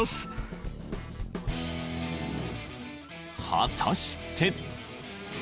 ［果たして］